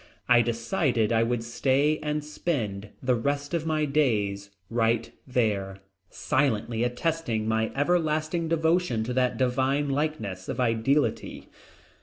I decided I would stay and spend the rest of my days right there, silently attesting my everlasting devotion to that divine likeness of ideality.